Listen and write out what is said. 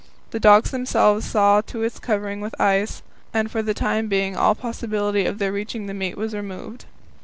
The dogs themselves saw to its covering with ice, and for the time being all possibility of their reaching the meat was removed.